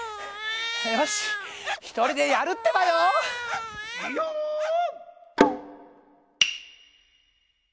よしひとりでやるってばよ！・イヨーオ！